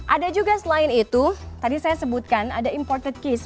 ada juga selain itu tadi saya sebutkan ada imported case